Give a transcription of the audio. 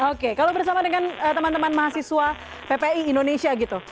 oke kalau bersama dengan teman teman mahasiswa ppi indonesia gitu